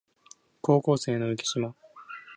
高校生の浮島